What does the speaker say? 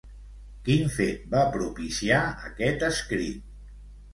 Quin fet va propiciar aquest escrit?